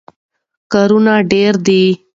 کارونه ډېر دي.